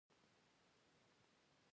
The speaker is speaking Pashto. د ننګرهار په نازیانو کې د سمنټو مواد شته.